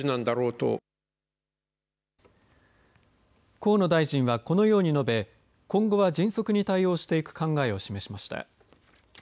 河野大臣は、このように述べ今後は迅速に対応していく考えを示しました。